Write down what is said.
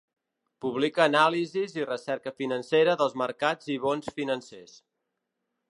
Publica anàlisis i recerca financera dels mercats i bons financers.